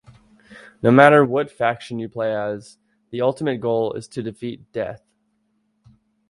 No matter what faction you play as, the ultimate goal is to defeat Death.